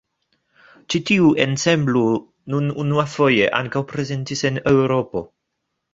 Ĉi tiu ensemblo nun unuafoje ankaŭ prezentis en Eŭropo.